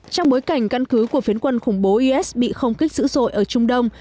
trong bối cảnh căn cứ của phiến quân khủng bố is bị không kích dữ dội ở trung đông